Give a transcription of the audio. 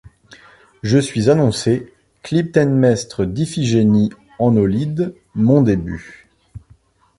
Je suis annoncée : Clytemnestre d' Iphigénie en Aulide, mon début.